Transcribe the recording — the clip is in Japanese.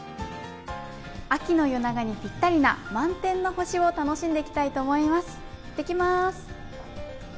秋の夜長にぴったりな満天の星を楽しんできたいと思います。